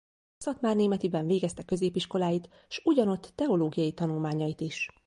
Szatmárnémetiben végezte középiskoláit s ugyanott teológiai tanulmányait is.